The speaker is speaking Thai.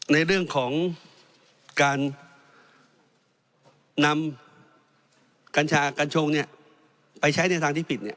ในเรื่องของการนำกัญชากัญชงไปใช้ในทางที่ผิด